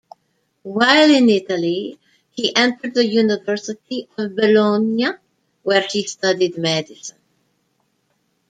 While in Italy he entered the University of Bologna, where he studied medicine.